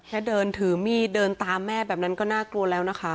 แค่เดินถือมีดเดินตามแม่แบบนั้นก็น่ากลัวแล้วนะคะ